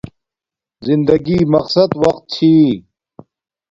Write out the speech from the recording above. زندگی مقصد وقت چھی